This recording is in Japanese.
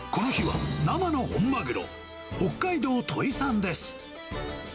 この日は、生の本マグロ、北海道戸井産です。